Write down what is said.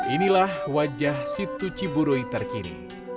inilah wajah situ ciburoi terkini